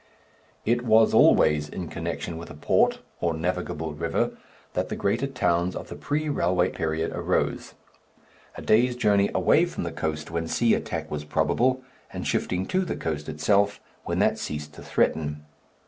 It was always in connection with a port or navigable river that the greater towns of the pre railway periods arose, a day's journey away from the coast when sea attack was probable, and shifting to the coast itself when that ceased to threaten.